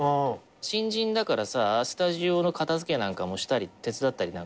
新人だからさスタジオの片付けなんかも手伝ったりなんかしてさ。